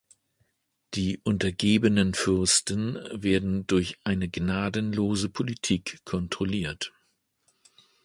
Die untergebenen Fürsten werden durch eine gnadenlose Politik kontrolliert.